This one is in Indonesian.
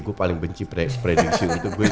gue paling benci predisi